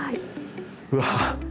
うわ。